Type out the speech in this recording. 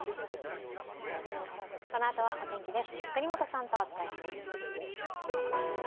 このあとは、お天気です。